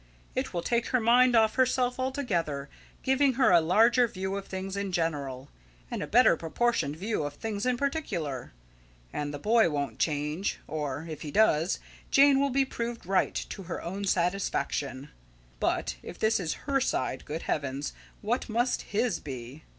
"It will take her mind off herself altogether, giving her a larger view of things in general, and a better proportioned view of things in particular. And the boy won't change; or, if he does, Jane will be proved right, to her own satisfaction. But, if this is HER side, good heavens, what must HIS be!